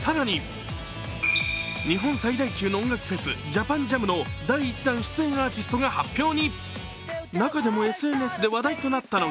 更に日本最大級の音楽フェス、ＪＡＰＡＮＪＡＭの第１弾出演アーティストが発表に。